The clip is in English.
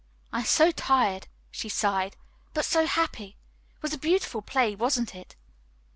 "I am so tired," she sighed, "but so happy. It was a beautiful play, wasn't it?"